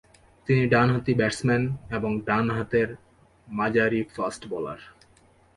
তিনি ডানহাতি ব্যাটসম্যান এবং ডান হাতের মাঝারি ফাস্ট বোলার।